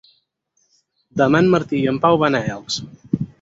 Demà en Martí i en Pau van a Elx.